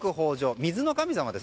水の神様です。